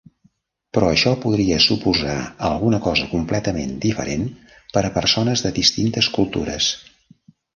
Però això podria suposar alguna cosa completament diferent per a persones de distintes cultures.